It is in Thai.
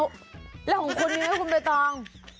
อะไรของคนนี้คุณโดยตอง